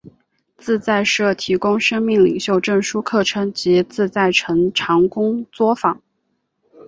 自在社提供生命领袖证书课程及自在成长工作坊。